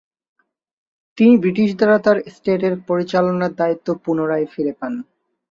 তিনি ব্রিটিশ দ্বারা তার এস্টেটের পরিচালনার দায়িত্ব পুনরায় ফিরে পান ।